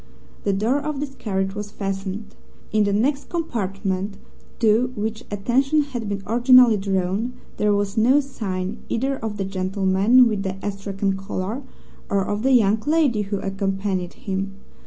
The door of this carriage was fastened. In the next compartment, to which attention had been originally drawn, there was no sign either of the gentleman with the astrakhan collar or of the young lady who accompanied him.